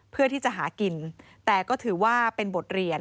เพื่อที่จะหากินแต่ก็ถือว่าเป็นบทเรียน